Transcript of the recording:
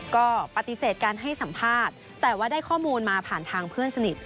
ก็ปฏิเสธการให้สัมภาษณ์แต่ว่าได้ข้อมูลมาผ่านทางเพื่อนสนิท